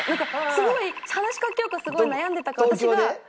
すごい話しかけようかすごい悩んでたから私が。